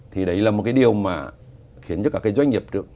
thì đấy là một điều mà khiến cho cả doanh nghiệp